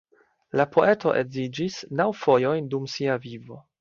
La poeto edziĝis naŭ fojojn dum sia vivo.